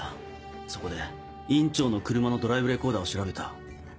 そこで院長の車のドライブレコーダーを調べた。